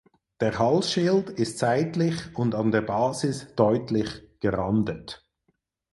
Der Halsschild ist seitlich und an der Basis deutlich gerandet.